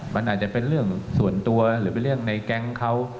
มันอาจจะเป็นเรื่องส่วนตัวหรือเป็นเรื่องในแก๊งเขา